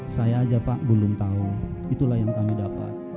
saya aja pak belum tahu itulah yang kami dapat